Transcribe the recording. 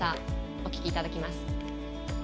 お聞きいただきます。